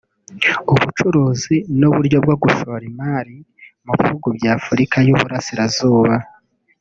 ubucuruzi n’uburyo bwo gushora imari mu bihugu bya Afurika y’Uburasirazuba